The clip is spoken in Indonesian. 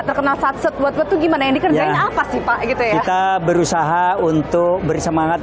terkenal saat setelah itu gimana yang dikerjain apa sih pak gitu ya berusaha untuk bersemangat